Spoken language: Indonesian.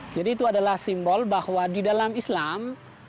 jadi itu adalah simbol bahwa di dalam islam